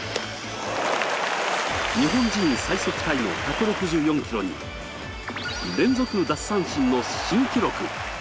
日本人最速タイの１６４キロに連続奪三振の新記録。